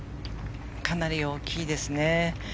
かなり大きいですね。